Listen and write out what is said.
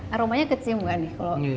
aromanya kecim gak nih